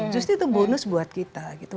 justru itu bonus buat kita gitu